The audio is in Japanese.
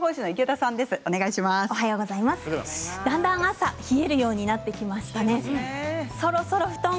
お手入れのだんだん朝冷えるようになってきましたね。